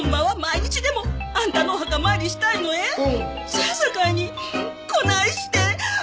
せやさかいにこないして。